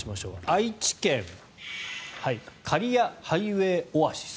愛知県刈谷ハイウェイオアシス。